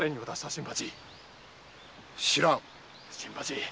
新八！